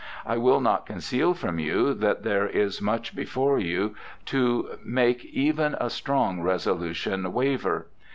I will not conceal from you that there is much before you to make even a strong resolution waver.